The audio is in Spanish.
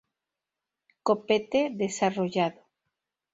Copete desarrollado.